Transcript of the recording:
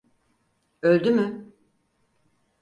Öldü mü?